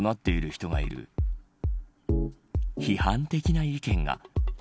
批判的な意見が。